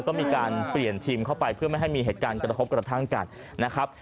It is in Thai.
ก็มีการเปลี่ยนทีมเข้าไปเพื่อไม่ให้มีเหตุการณ์กระทบกระทั่งกันนะครับ